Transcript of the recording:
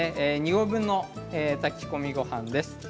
２合分の炊き込みごはんです。